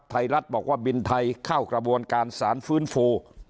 ไทยรัฐบอกว่าบินไทยเข้ากระบวนการสารฟื้นฟู